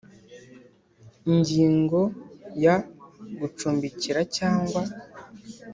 Ingingo ya gucumbikira cyangwa